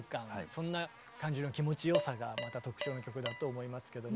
そんな感じの気持ちよさがまた特徴の曲だと思いますけども